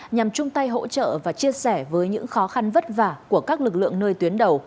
nhằm chung tay hỗ trợ và chia sẻ với những khó khăn vất vả của các lực lượng nơi tuyến đầu